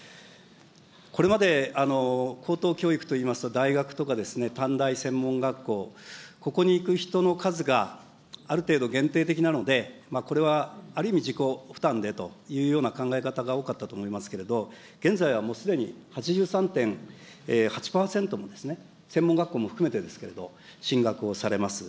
これまで高等教育といいますと、大学とかですね、短大、専門学校、ここに行く人の数がある程度限定的なので、これは、ある意味、自己負担でというような考え方が多かったと思いますけれども、現在はもうすでに８３．８％もですね、専門学校も含めてですけども、進学をされます。